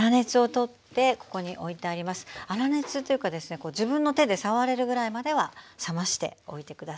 粗熱というかですね自分の手で触れるぐらいまでは冷ましておいて下さい。